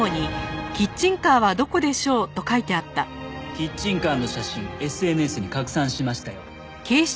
キッチンカーの写真ＳＮＳに拡散しましたよ。